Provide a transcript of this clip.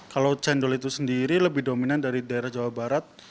kalau cendol itu sendiri lebih dominan dari daerah jawa barat